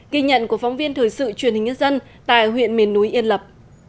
ghi nhận của phóng viên thời sự truyền hình nhân dân tại huyện miền núi yên lập